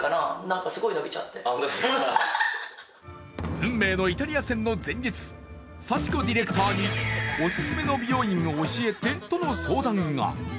運命のイタリア戦の前日幸子ディレクターにオススメの美容院を教えてとの相談が。